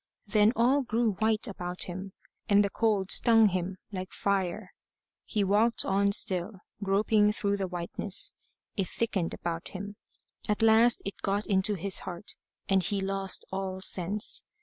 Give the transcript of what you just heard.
Then all grew white about him; and the cold stung him like fire. He walked on still, groping through the whiteness. It thickened about him. At last, it got into his heart, and he lost all sense.